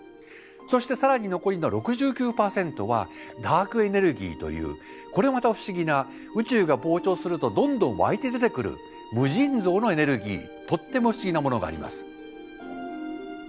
そして更に残りの６９％はダークエネルギーというこれまた不思議な宇宙が膨張するとどんどんわいて出てくる無尽蔵のエネルギーとっても不思議なものがあります。